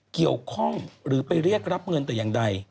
เกี่ยวข้องหรือไปเรียกรับเงินแต่อย่างใด